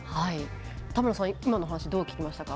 田村さん、今の話はどう聞きましたか？